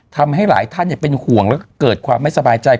ทำให้หลายท่านเป็นห่วงแล้วก็เกิดความไม่สบายใจ